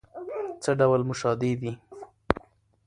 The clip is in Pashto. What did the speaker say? څه ډول موشادې دي؟